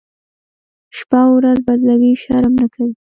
شپه ورځ بدلوي، شرم نه کوي.